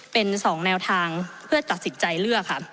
เป็น๒แนวทางเพื่อตัดสินใจเลือกค่ะ